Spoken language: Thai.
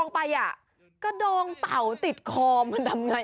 เฮ้ยเฮ้ยเฮ้ยเฮ้ยเฮ้ย